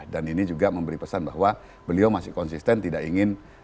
dan ini juga memberi pesan bahwa beliau masih konsisten tidak ingin